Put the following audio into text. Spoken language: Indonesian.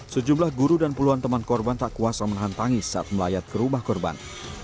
sejumlah guru dan puluhan teman korban tak kuasa menahan tangis saat melayat ke rumah korban